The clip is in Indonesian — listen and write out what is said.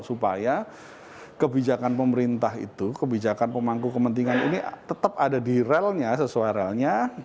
supaya kebijakan pemerintah itu kebijakan pemangku kepentingan ini tetap ada di relnya sesuai relnya